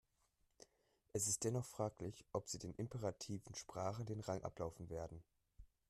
Es ist dennoch fraglich, ob sie den imperativen Sprachen den Rang ablaufen werden.